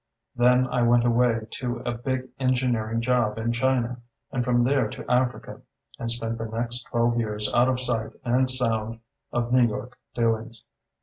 Then I went away to a big engineering job in China, and from there to Africa, and spent the next twelve years out of sight and sound of New York doings.